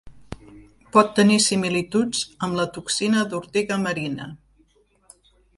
Pot tenir similituds amb la toxina d'ortiga marina.